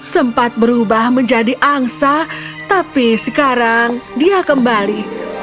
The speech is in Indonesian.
sempat berubah menjadi angsa tapi sekarang dia kembali